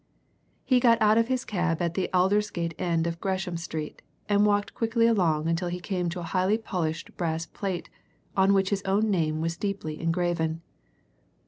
He got out of his cab at the Aldersgate end of Gresham Street, and walked quickly along until he came to a highly polished brass plate on which his own name was deeply engraven.